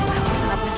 aku sangat mencintai